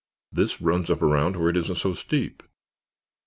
This runs up around where it isn't so steep."